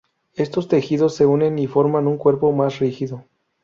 Estos tejidos se unen y forman un cuerpo más rígido.